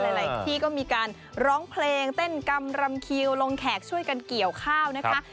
หลายที่ก็มีการร้องเพลงเต้นกำรำคิวลงแขกช่วยกันเกี่ยวข้าวนะคะ